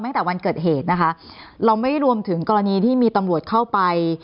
ตั้งแต่วันเกิดเหตุนะคะเราไม่รวมถึงกรณีที่มีตำรวจเข้าไป